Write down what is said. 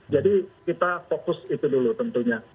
jadi kita fokus itu dulu tentunya